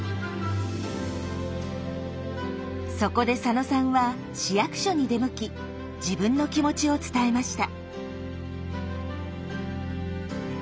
そこで佐野さんは市役所に出向き自分の気持ちを伝えました。